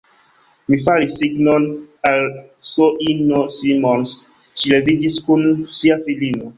Mi faris signon al S-ino Simons: ŝi leviĝis kun sia filino.